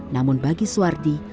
namun bagi suwardi